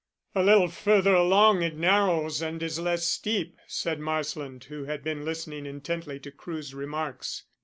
"A little further along it narrows and is less steep," said Marsland, who had been listening intently to Crewe's remarks.